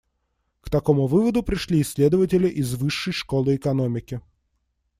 К такому выводу пришли исследователи из Высшей школы экономики.